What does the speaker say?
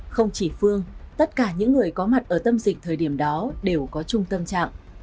không chỉ phương tất cả những người có mặt ở tâm dịch thời điểm đó đều có trung tâm trạng